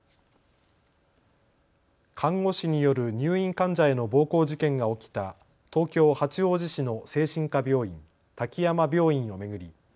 看護師による入院患者への暴行事件が起きた東京八王子市の精神科病院、滝山病院を巡り